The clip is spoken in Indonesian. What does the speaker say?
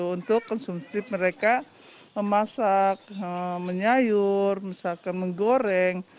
untuk konsumsi mereka memasak menyayur misalkan menggoreng